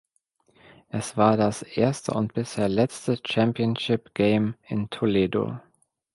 Es war das erste und bisher letzte Championship Game in Toledo.